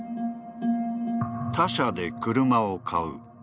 他社で車を買う。